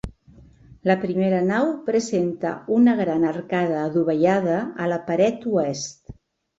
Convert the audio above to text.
La primera nau presenta una gran arcada adovellada a la paret oest.